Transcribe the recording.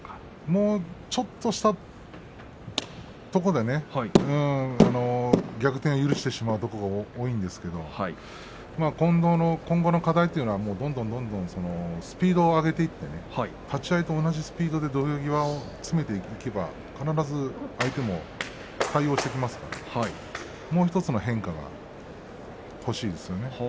もうちょっとしたところで逆転を許してしまうことが多いんですけど今後の課題というのは、どんどんどんどんスピードを上げていって立ち合いと同じスピードで土俵際に詰めていけば必ず相手も対応してきますからもう１つの変化が欲しいですよね。